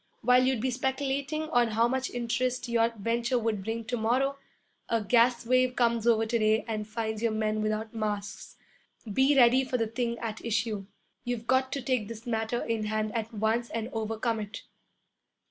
While you'd be speculating on how much interest your venture would bring you to morrow, a gas wave comes over to day and finds your men without masks. Be ready for the thing at issue. You've got to take this matter in hand at once and overcome it.'